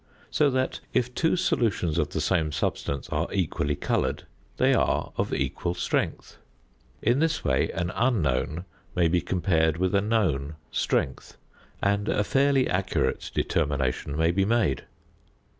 So that if two solutions of the same substance are equally coloured they are of equal strength. In this way an unknown may be compared with a known strength, and a fairly accurate determination may be made.